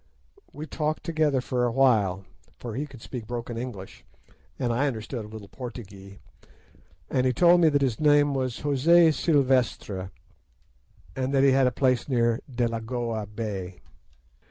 We talked together for a while, for he could speak broken English, and I understood a little Portugee, and he told me that his name was José Silvestre, and that he had a place near Delagoa Bay.